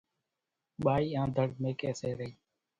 ٻائِي آنڌڻ ميڪيَ سي رئِي۔